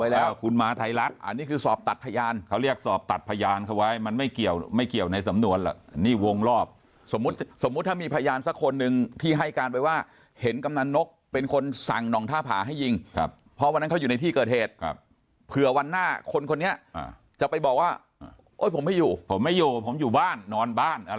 แล้วคุณมาไทยรัฐอันนี้คือสอบตัดพยานเขาเรียกสอบตัดพยานเขาไว้มันไม่เกี่ยวไม่เกี่ยวในสำนวนหรอกนี่วงรอบสมมุติสมมุติถ้ามีพยานสักคนหนึ่งที่ให้การไปว่าเห็นกำนันนกเป็นคนสั่งนองท่าผาให้ยิงครับเพราะวันนั้นเขาอยู่ในที่เกิดเหตุครับเผื่อวันหน้าคนคนนี้จะไปบอกว่าโอ๊ยผมไม่อยู่ผมไม่อยู่ผมอยู่บ้านนอนบ้านอะไร